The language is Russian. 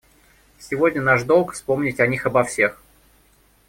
Сегодня наш долг вспомнить о них обо всех.